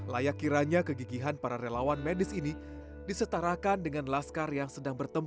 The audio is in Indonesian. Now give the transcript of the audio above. layak kiranya kegigihan para relawan medis ini disetarakan dengan laskar yang sedang berjalan